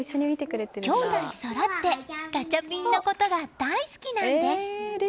姉弟そろってガチャピンのことが大好きなんです。